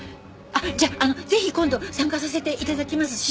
あっじゃああのぜひ今度参加させて頂きます師匠。